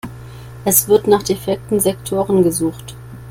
Es wird nach defekten Sektoren gesucht.